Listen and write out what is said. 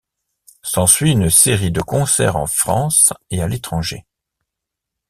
S'ensuit une série de concerts en France et à l'étranger.